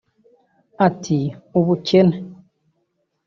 Ati “Ubukene